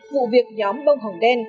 vụ việc nhóm bông hồng đen